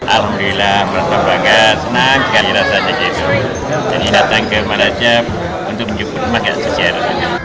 alhamdulillah merasa banget senang jadi datang ke madajab untuk menjumpai makasih